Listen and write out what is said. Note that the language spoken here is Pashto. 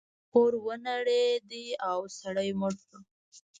کور ونړید او سړی مړ شو.